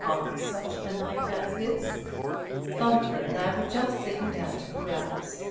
'On such a night as this—' Bunter and I were just sitting down to carouse.